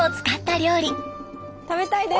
食べたいです！